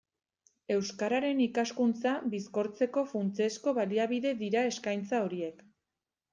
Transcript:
Euskararen ikaskuntza bizkortzeko funtsezko baliabide dira eskaintza horiek.